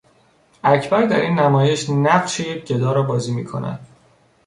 اکبر در این نمایش نقش یک گدا را بازی میکند.